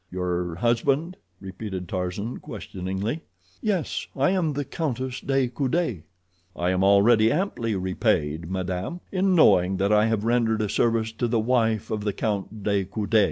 "Your husband?" repeated Tarzan questioningly. "Yes. I am the Countess de Coude." "I am already amply repaid, madame, in knowing that I have rendered a service to the wife of the Count de Coude."